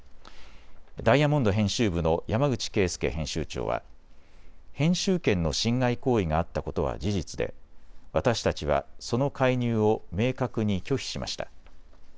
ダイヤモンド編集部の山口圭介編集長は編集権の侵害行為があったことは事実で私たちは、その介入を明確に拒否しました。